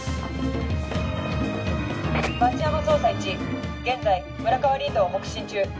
町山捜査１現在村川林道を北進中。